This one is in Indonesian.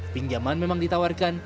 pinjaman memang ditawarkan